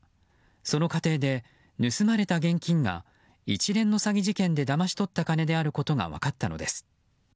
その過程で盗まれた現金が一連の詐欺事件でだまし取った金であることが分かったのです。